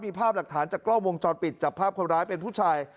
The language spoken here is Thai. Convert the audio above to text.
มีภาพหลักฐานจากกล้องวงจรปิดจับภาพคนร้ายเป็นผู้ชาย